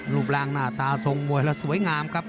รูปร่างหน้าตาทรงมวยแล้วสวยงามครับ